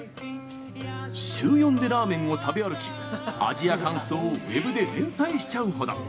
週４でラーメンを食べ歩き味や感想をウェブで連載しちゃうほど。